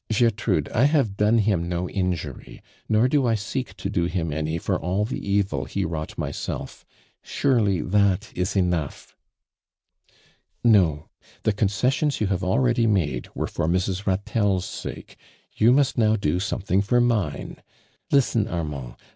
" GoHrude, I have done him no ii\jury, nor do I seek to do him any for all the evil he wrouglit myself. Surely that is enouah!" " No ! The concessions you have already made were for Mrs. Ilatelle's soke, you must now do somotluug for mine. Listen, Armand.